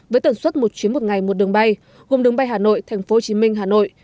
với tần suất một chuyến một ngày một đường bay gồm đường bay hà nội thành phố hồ chí minh hà nội